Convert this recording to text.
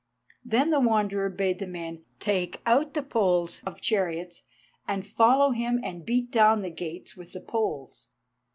Then the Wanderer bade men take out the poles of chariots and follow him and beat down the gates with the poles.